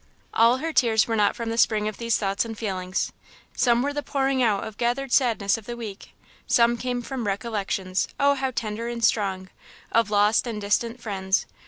All her tears were not from the spring of these thoughts and feelings; some were the pouring out of gathered sadness of the week; some came from recollections, oh, how tender and strong! of lost and distant friends.